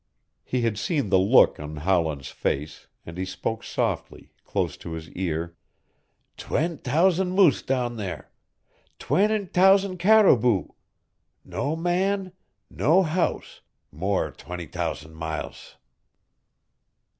He had seen the look in Howland's face, and he spoke softly, close to his ear, "Twent' t'ousand moose down there twent' t'ousand caribou oo! No man no house more twent' t'ousand miles!"